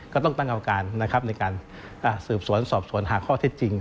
ก็ต้องตั้งกรรมการนะครับในการสืบสวนสอบสวนหาข้อเท็จจริง